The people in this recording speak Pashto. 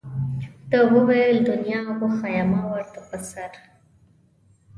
ده وویل دنیا وښیه ما ورته په سر.